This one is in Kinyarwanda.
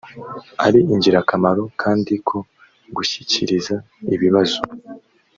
ari ingirakamaro kandi ko gushyikiriza ibibazo